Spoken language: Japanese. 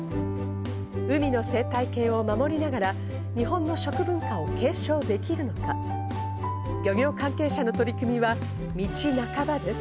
海の生態系を守りながら、日本の食文化を継承できるのか、漁業関係者の取り組みは道半ばです。